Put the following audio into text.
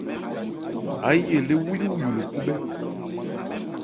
Áyí elé wúyúwuyu lo khúbhɛ́.